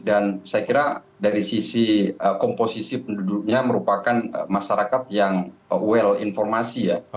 dan saya kira dari sisi komposisi penduduknya merupakan masyarakat yang well informasi ya